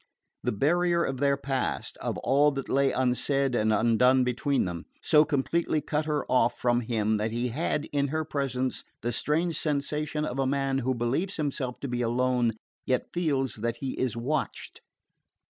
The barrier of their past of all that lay unsaid and undone between them so completely cut her off from him that he had, in her presence, the strange sensation of a man who believes himself to be alone yet feels that he is watched...